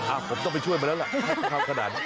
ผมต้องไปช่วยมาแล้วล่ะถ้าทำขนาดนี้